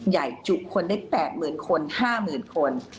ใหญ่จุคลได้แปลกหมื่นคน๕หมื่นคน